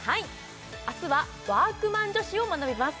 明日は＃ワークマン女子を学びます